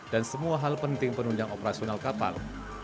dan semua hal penting penunjang operasional kapal